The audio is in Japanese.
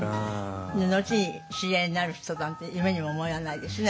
後に知り合いになる人だなんて夢にも思わないですね